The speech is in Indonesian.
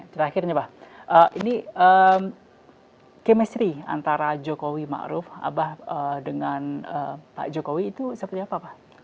terakhirnya pak ini chemistry antara jokowi ma'ruf dengan pak jokowi itu seperti apa pak